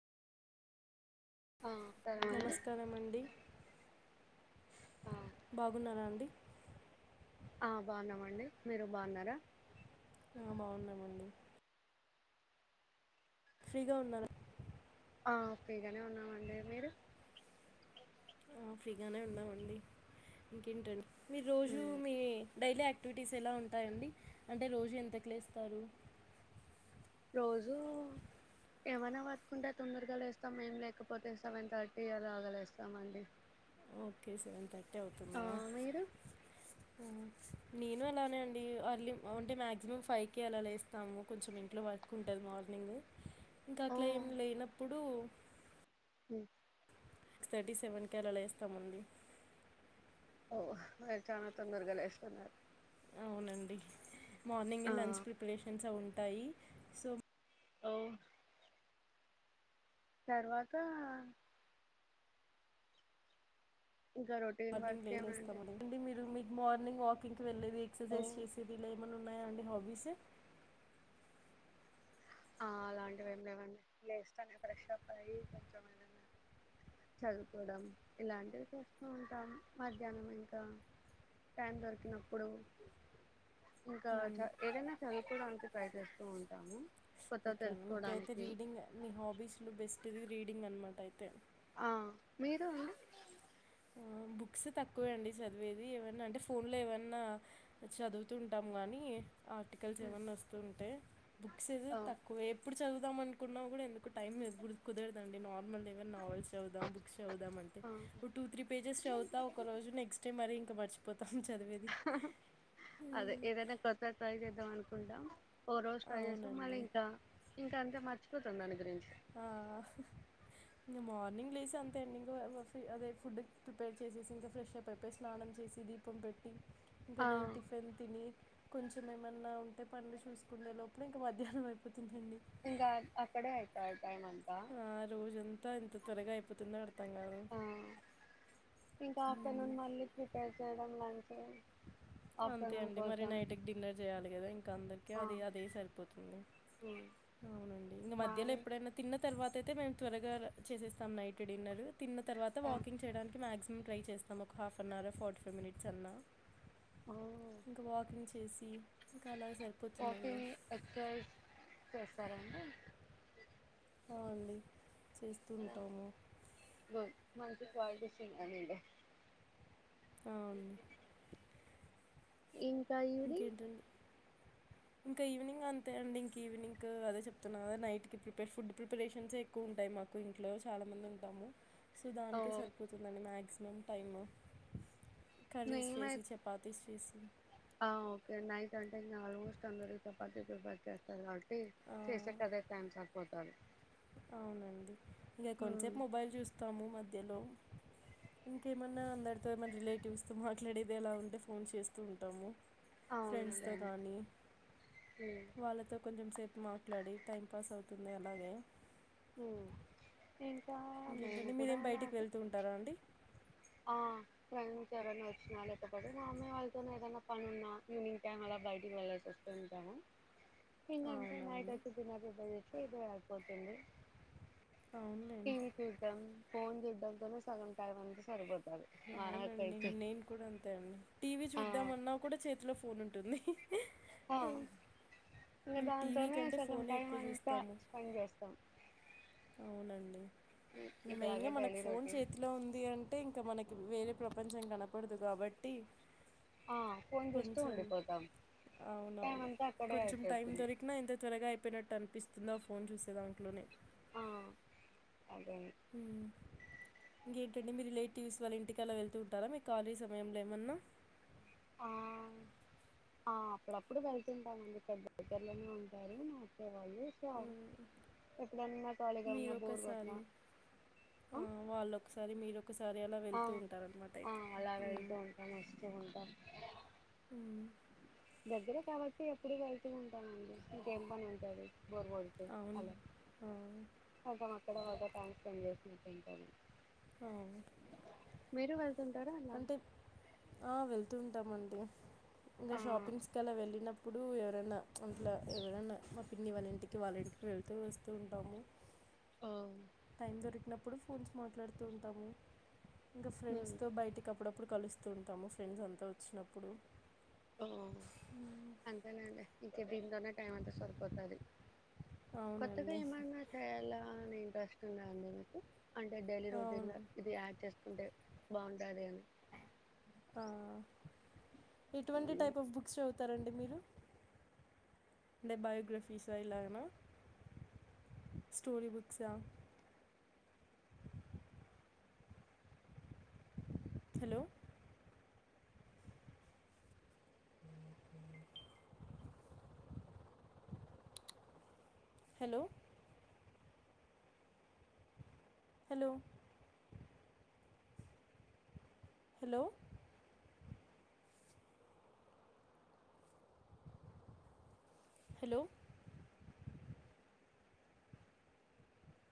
ఆ తరమండి నమస్కారం అండి బాగున్నారా అండి ఆ బావున్నామండి మీరు బావున్నారా ఆ బావున్నామండి ఫ్రీగా ఉన్నార ఆ ఫ్రీ గానే ఉన్ ఆ ఫ్రీగానే ఉన్నామండి ఇంకేంటన్ మీ రోజు మ్మ్ మీ డైలీ యాక్ క్టివిటీస్ ఎలా ఉంటాయండి అంటే రోజు ఎంతకు లేస్తారు రోజూ ఏమైనా వర్కుంటే తొందరగా లేస్తాం ఏం లేకపోతే సెవెన్ థర్టీ అలాగలేస్తమ్ అండి ఓకే సెవెన్ థర్టీ అవుతుందా మీరు ఆ నేను అలానే అండి అర్లీ అంటే మ్యాక్సిమం ఫైవ్కి అలా లేస్తాము కొంచెం ఇంట్లో వర్క్ ఉంటది మార్నింగ్ ఇంకా ఓ అట్లా ఏం లేనప్పుడు మ్మ్ సిక్స్ థర్టీ సెవెన్ కి అళ లేస్తామండి ఓ మీరు చానా తొందరగా లేస్తున్నారు అవునండి మార్నింగే ఆ లంచ్ ప్రిపరేషన్స్ అ ఉం ంటాయి సో ఓ తర్వాత ఇంకా రొటీన్ మార్నింగ్ వర్క్ ఏమండి లేసెస్తాండి మార్నింగ్ వాకింగ్ వెళ్లేేది ఓ ఎక్సైజ్సేది ఇల ఎమన్నా న్నాయ అండి హబీస్ ఆ అలాంటివి ఏమి లేవండి లేస్తనే ఫ్రెష్ అప్ అయ్యి కొంచెం ఏదనా చదువుకోవడం ఇలాంటివి చేస్తూ ఉంటాం మధ్యాహ్నం ఇంకా టైం దొరికినప్పుడు ఇంకా మ్మ్. చా ఏదన్నా చదువు కోడానికి ట్రై చేస్తూ ఉంటాము కొత్తగా ఓకే అండి ఇంకైతే తెలుసుకోవడానికి రీడింగ్ మీ హాబీస్లో బెస్ ది రీడింగ్ అనమాట అైతే ఆ మీరు అండీ ఆ బుక్స్ తక్కువే అండి చదివేది ఏమన్నా అంటే ఫోన్లో ఏమన్నా చదువుతుంటాము గానీ ఆర్టికల్స్ ఏమన్నా వస్తూ ఉంటే బుక్స్ ది ఆ తక్కువే ఇప్పుడు చదువుదాం అనుకున్నా కూడా ఎందుకు టైం గురుద్ కుదరదండి నార్మల్ ఏవైనా నావెల్స్ చదువుదాం బుక్స్ చవుదాం అంటే ఆ టూ త్రీ పేజెస్ చదువుతా ఒకరోజు నెక్ట్ డే మరి త పర్చిపో అదే మ్మ్. ఏదైనా కొత్తగ ట్రై చేద్దాం అనుకుంటాం ఓ రోజు ట్రై చేస్తాం మళ అవునండి. ఇంకా ఇం అంతే మర్చిపోతం దాని గురించి ఆ ఇంగ మార్నింగ్ లేసి అంతే అండి ఇంకో వో వ ఫి అదే ఫుడ్ ప్రిపేర్ చేసేసి ఇంకా ఫ్రెష్ అప్ అయిపోయి స్నానం చేసి దీపం పెట్టి ఆ ఇంకానేన్ టిఫెన్ తిని కొంచెం ఏమన్నా ఉంటే పనులు చూసుకుండే లోపలే ఇంకా మధ్యాహ్నం అయిపో ఇంకా అక్కడే టాగ్ ఆ రోజంతా ఇంత త్వరగా అయిపోతుందిో అర్ ర్థం గ ఆ ఇంకా హ్మ్. ఆఫ్టర్నూన్ మళ్ళీ ప్రిపేర్ చేయడం లంచ్ ఓ అంతే అండి మరి నైట్కి డిన్నర్ చేయాలి కదా ఇంకా అందరికి ఆ అదే ఇగ అదే సరిపోతుంది ఉమ్, అవునండి ఇంగ మా మధ్యలో ఇ- ఎప్పుడైనా తిన్న తర్వాత తయితే మేము త్వరగా చేసేస్తాం నైట్ డిన్నర్ తిన్న తర్వాత ఆ, వాకింగ్ చేయడానికి మ్యాక్సి మ్ ట్రై చేస్తాము ఒక half an hour forty five minutes అన్నా ఇంకా వాకింగ్ చేసి సి ఒకే ఎక్సర్సైజ్ చేస్ అవుండి చేస్తుూ ఉంటాము మనకి కాలిటీషనింటే అవును ఇంకా ఈవినింగ్ ఇంకేంటి అండి ఇంకా ఈవినింగ్ అంతే అండి ఇంక ఈవినింగ్ అదే చెప్తున్నా కదా నైట్కి ప్రిపేర్ ఫుడ్ ప్రిపరేషన్స్ ఏ ఎక్కువ ఉంటాయి మాకు ఇంట్లో చాలా మంది ఉంటాము సో ఓ దానికే సరిపోతుందండి మేక్స్ టైము కర్రీస్ మేమై చేసి చపాతీస్ చేసి ఆ ఓకే నైట్ అంటే ఇంకా ఆల్మోస్ట్ అందరూ చపాతి ప్రిఫర్ చేస్తారు కా చేసే ఆ! కదే [unintelligible] పోతారు అవునండి ఇక కొంతసేపు మొబైల్ చూస్తాము మ మధ్యలో ఇంకేమన్నా అందరితో ఏమైనా రిలేటివ్స్తో మాట్లాడేది ఎలా ఉంటే ఫోన్ చేస్తూ ఉంటాము ఫ్రెండ్స్ తో అవునులేండి కానీ ఉమ్ వాళ్ళతో కొంచెం సేపు మాట్లాడి టైం పాస్ అవుతుంది అలాగే హ్మ్ ఏం ఇంకేంటండి మీరేం బయటికి వెళ్తూ ఉంటారా అండి ఆ ఫ్రెండ్స్ ఎవరని వచ్చినా లేకపోతే మా అమ్మాయి వాళ్ళతోనే ఏదైనా పని ఉన్నా, ఈనింగ్ టైమ్ అలా బయటికి వెళ్ళల్సి వస్తూ ఉంటాము. ఇంకా అంతే అవునా నైట్ అండి వచ్చి తినబూధి అయితే ఇగ ఏంది ఏం అవునులేండి చుద్దాం ఫోన్ చూడంకనే సగం టైమ్ అంత సరిపోతుదు అవునండి నేను కూడా అంతే అండి టీవీ ఆ చూద్దామన్నా కూడా చేతిలో ఫోన్ ఉంటుంది ఆ ఇంకా ఈ టీవీ దాంతోనే కంటే సగం ఫోనే టైం ఎక్కువ అంతా చూస్తాము స్పెండ్ చేస్తాం అవునండి ఇంక ఇట్లాగే మెయిన్గా మనకు డైలీ ఫోన్ రొటీన్ చేతిలో ఉంది అంటే ఇంకా మనకి వేరే ప్రపంచం కనపడదు కాబట్టి ఆ ఫోన్ చేస్తూ కొంచెం ఉండిపోతాం టైం అవునవును అంతా అక్కడే అయిపోతుంది చెప్పినట్టు అనిపిస్తుందా ఫోన్ చూసేదాంట్లోనే ఆ అదే అండి ఇంకేంటండి మీ రిలేటివ్స్ వాళ్ళ ఇంటికి అలా వెళ్తు ఉంటారా మీకు కాలి సమయంలో ఏమన్నా ఆ ఆ అప్పుడప్పుడు వెళ్తుంటామండి [unintelligible] ఉంటారు వాళ్ళు సో మ్మ్. ఎప్పుడన్నా ఖాళీగా ఉన్నా మీరు బోర్ పట్న ఒకసారి ఆ, వాళ్ళు ఒకసారి మీరు ఒకసారి అలా ఆ వెళ్తూ ఉంటారనమాట ఆ అయితే అలా మ్మ్. వెళ్తూ ఉంటాం వస్తూ ఉంటాం మ్మ్. దగ్గరే కాబట్టి ఎప్పుడ వెళ్తూ ఉంటానండి ఇంకేం పని ఉంటది బోర్ కొడితే అవును అలా ఆ, ఇక్కడ టైమ్ స్పెండ్ చేసినట్టు ఉంటుంది ఆ మీరు వేల్ అంటే ఆ వెళ్తు ద్దమంది ఇంకా ఆ షాపింగ్స్ కి అలా వెళ్ళినప్పుడు ఇప్పుడు ఎవరైనా అట్లా ఎవరైనా మా పిన్ని వాళ్ళ ఇంటికి వాళ్ళ ఇంటికి వెళ్తూ వస్తూ ఉంటాము ఓ టైం దొరికినప్పుడు ఫోన్స్ మాట్లాడుతూ ఉంటాము ఇంకా ఫ్రెండ్స్ తో బయటికి అప్పుడప్పుడు కలుస్తూ ఉంటాము ఫ్రెండ్స్ అంతా వచ్చినప్పుడు ఓ మ్మ్. అంతేనండి ఎప్పుంతోన్నా టైం అంతా సరిపోతది కొత్తగా అవునండి ఏమన్నా చేయలా రెస్ట్ ఉందా అండి మీకు అంటే డైలీ రొటీన్ అవును లో ఇది యాడ్ ఉంటే బాగుంటాది అని ఆ ఇటువంటి టైప్ ఆఫ్ బుక్స్ చ తరండి మీరు అంటే బయోగ్రఫీస ఇలాగన story books hello hello hello hello hello